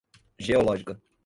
geológica